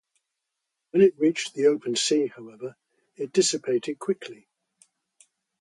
When it reached the open sea, however, it dissipated quickly.